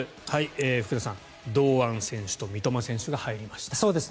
福田さん、堂安選手と三笘選手が入りました。